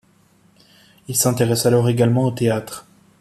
Il s'intéresse alors également au théâtre.